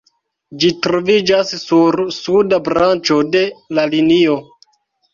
Ĝi troviĝas sur suda branĉo de la linio.